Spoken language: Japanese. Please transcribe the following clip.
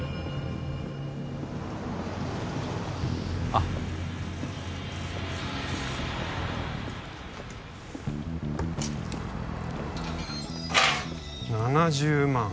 あっ７０万